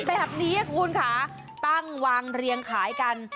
แบบนี้คุณค่ะตั้งวางเรียงขายกัน